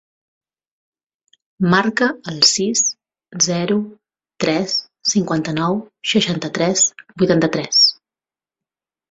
Marca el sis, zero, tres, cinquanta-nou, seixanta-tres, vuitanta-tres.